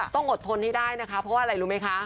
ต้องอดทนให้ได้นะคะเพราะว่าอะไรรู้ไหมคะ